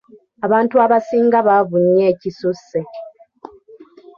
Abantu abasinga baavu nnyo ekisusse.